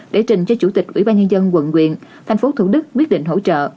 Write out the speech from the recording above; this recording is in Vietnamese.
để trình cho chủ tịch ủy ban nhân dân quận quyện thành phố thủ đức quyết định hỗ trợ